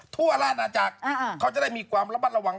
ทั่วร้านอาจารย์เขาจะได้มีความระบัดระวัง